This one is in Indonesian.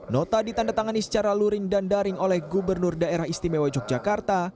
nota ditandatangani secara luring dan daring oleh gubernur daerah istimewa yogyakarta